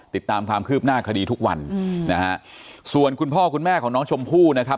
ติดตามความคืบหน้าคดีทุกวันอืมนะฮะส่วนคุณพ่อคุณแม่ของน้องชมพู่นะครับ